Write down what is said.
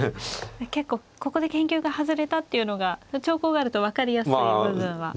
結構ここで研究が外れたっていうのが長考があると分かりやすい部分は。